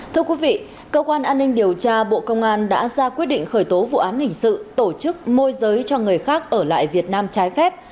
thưa quý vị cơ quan an ninh điều tra bộ công an đã ra quyết định khởi tố vụ án hình sự tổ chức môi giới cho người khác ở lại việt nam trái phép